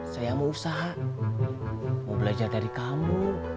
saya mau usaha mau belajar dari kamu